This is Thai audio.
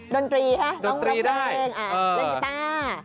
ดนตรีค่ะลองเพลงเล่นกี๊ตาร์